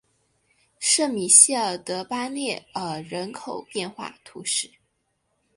圣米歇尔德巴涅尔人口变化图示